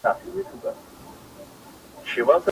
چي تا نه مني داټوله ناپوهان دي.!